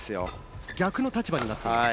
逆の立場になっています。